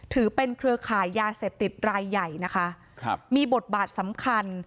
ถือเป็นเครือข่ายยาเสพติดรายใหญ่นะคะครับมีบทบาทสำคัญ